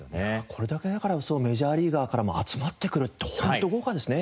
これだけだからメジャーリーガーからも集まってくるって本当豪華ですね。